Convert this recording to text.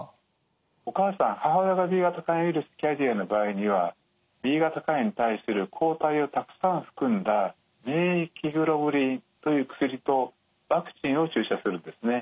お母さん母親がＢ型肝炎ウイルスキャリアの場合にはＢ型肝炎に対する抗体をたくさん含んだ免疫グロブリンという薬とワクチンを注射するんですね。